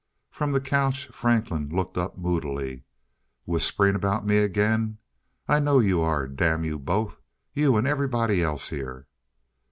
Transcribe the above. From the couch, Franklin looked up moodily. "Whispering about me again? I know you are damn you both. You and everybody else here."